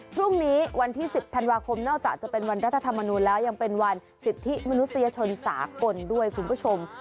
พรุ่งนี้วันที่๑๐ธันวาคมนอกจากจะเป็นวันรัฐธรรมนูลแล้วยังเป็นวันสิทธิมนุษยชนสากลด้วยคุณผู้ชม